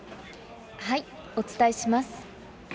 お伝えします。